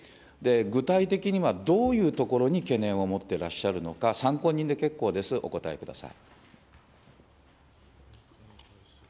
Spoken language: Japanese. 具体的には、どういうところに懸念を持ってらっしゃるのか、参考人で結構です、お答えください。